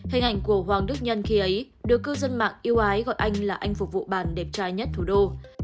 hình ảnh của hoàng đức nhân khi ấy được cư dân mạng yêu ái gọi anh là anh phục vụ bàn đẹp trai nhất thủ đô